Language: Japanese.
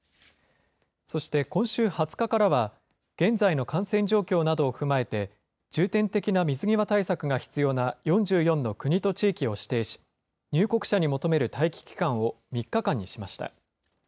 そして今週２０日からは、現在の感染状況などを踏まえて、重点的な水際対策が必要な４４の国と地域を指定し、入国者に求める待期期間を３日間にしました。